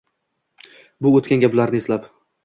Bu o‘tgan gaplarni eslab.